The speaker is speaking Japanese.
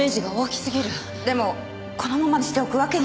でもこのままにしておくわけには。